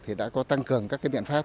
thì đã có tăng cường các cái biện pháp